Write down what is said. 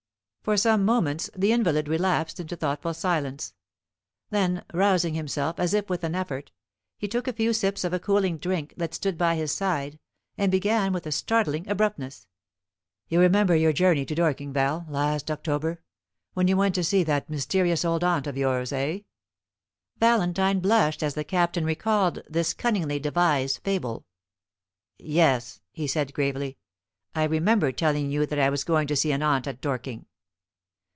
For some moments the invalid relapsed into thoughtful silence. Then, rousing himself as if with an effort, he took a few sips of a cooling drink that stood by his side, and began with a startling abruptness. "You remember your journey to Dorking, Val, last October, when you went to see that mysterious old aunt of yours, eh?" Valentine blushed as the Captain recalled this cunningly devised fable. "Yes," he said gravely; "I remember telling you that I was going to see an aunt at Dorking."